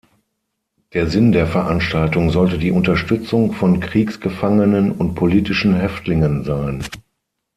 Der Sinn der Veranstaltung sollte die Unterstützung von Kriegsgefangenen und politischen Häftlingen sein.